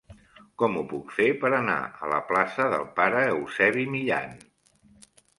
Com ho puc fer per anar a la plaça del Pare Eusebi Millan?